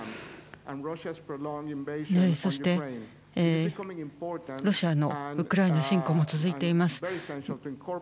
そして、ロシアのウクライナ侵攻も続いています。